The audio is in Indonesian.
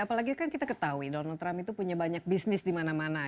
apalagi kan kita ketahui donald trump itu punya banyak bisnis di mana mana